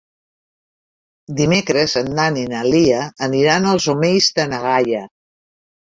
Dimecres en Dan i na Lia aniran als Omells de na Gaia.